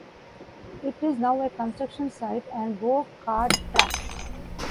It is now a construction site and go-kart track.